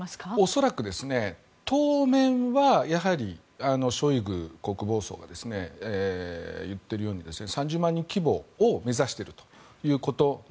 恐らく、当面はショイグ国防相がいっているように３０万人規模を目指していると。